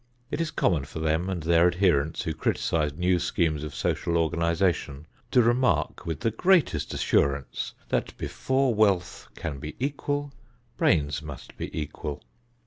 It is common for them and their adherents who criticise new schemes of social organization to remark with the greatest assurance that before wealth can be equal, brains must be equal.